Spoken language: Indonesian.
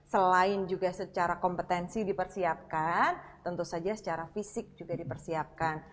selain juga secara kompetensi dipersiapkan tentu saja secara fisik juga dipersiapkan